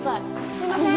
すいません